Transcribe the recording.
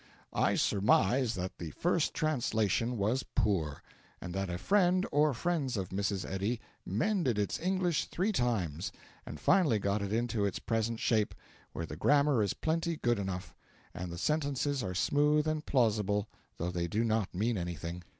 I surmise that the first translation was poor; and that a friend or friends of Mrs. Eddy mended its English three times, and finally got it into its present shape, where the grammar is plenty good enough, and the sentences are smooth and plausible though they do not mean anything.